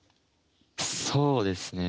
そうですね